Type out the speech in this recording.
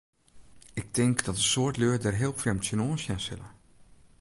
Ik tink dat in soad lju dêr heel frjemd tsjinoan sjen sille.